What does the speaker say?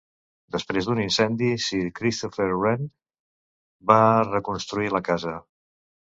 Després d'un incendi, Sir Christopher Wren va reconstruir la casa.